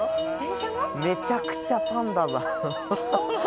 めちゃくちゃパンダだ